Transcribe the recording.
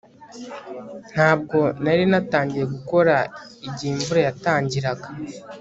Ntabwo nari natangiye gukora igihe imvura yatangiraga